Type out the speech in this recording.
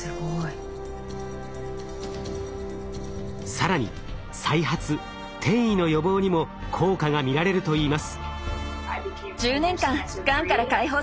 更に再発・転移の予防にも効果が見られるといいます。